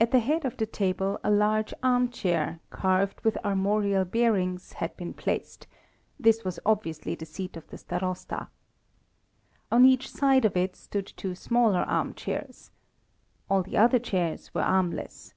At the head of the table a large armchair, carved with armorial bearings, had been placed, this was obviously the seat of the Starosta. On each side of it stood two smaller armchairs. All the other chairs were armless.